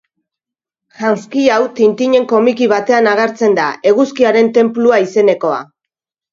Janzki hau, Tintinen komiki batean agertzen da, Eguzkiaren Tenplua izenekoa.